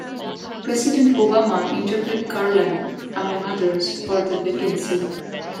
President Obama interviewed Garland, among others, for the vacancy.